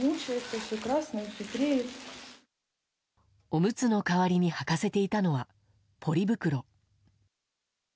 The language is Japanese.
おむつの代わりにはかせていたのはポリ袋。